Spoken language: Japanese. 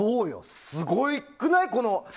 すごくない？